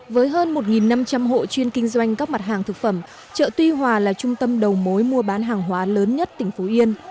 với hơn một năm trăm linh hộ chuyên kinh doanh các mặt hàng thực phẩm chợ tuy hòa là trung tâm đầu mối mua bán hàng hóa lớn nhất tỉnh phú yên